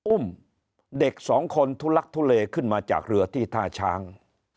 อุ้มเด็กสองคนทุลักทุเลขึ้นมาจากเรือที่ท่าช้าง